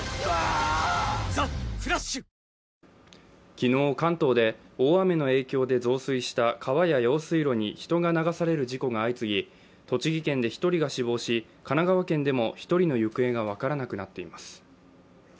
昨日関東で大雨の影響で増水した川や用水路に人が流される事故が相次ぎ、栃木県で１人が死亡し神奈川県でも１人の行方が分からなくなっています。